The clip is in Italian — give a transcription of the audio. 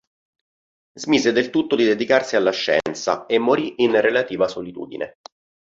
Smise del tutto di dedicarsi alla scienza e morì in relativa solitudine.